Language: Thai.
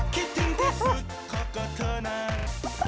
คิดถึงที่สุดถ้าเกิดเธอนาน